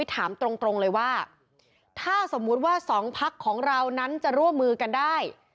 ถามตรงเลยว่าถ้าสมมุติว่าสองพักของเรานั้นจะร่วมมือกันได้